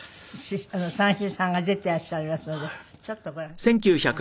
三枝さんが出ていらっしゃいますのでちょっとご覧ください。